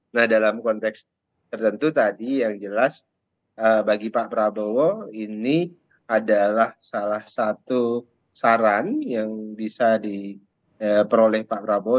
nah dalam konteks tertentu tadi yang jelas bagi pak prabowo ini adalah salah satu saran yang bisa diperoleh pak prabowo